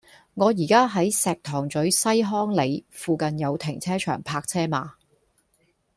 我依家喺石塘咀西康里，附近有停車場泊車嗎